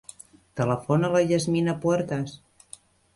Telefona a la Yasmina Puertas.